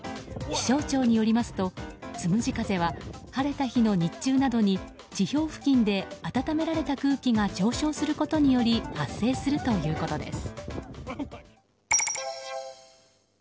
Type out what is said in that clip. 気象庁によりますと、つむじ風は晴れた日の日中などに地表付近で温められた空気が上昇することにより発生するということです。